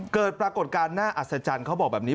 เกิดปรากฏการณ์น่าอัศจรรย์เขาบอกแบบนี้